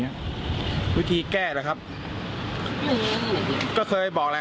อ๋อใสดาไฟบ่อย